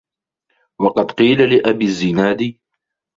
وَقَدْ قِيلَ لِأَبِي الزِّنَادِ